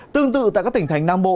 tương tự tại các tỉnh thành nam bộ